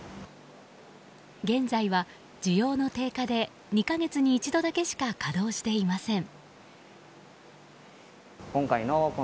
現在は需要の低下で２か月に一度だけしか稼働していません。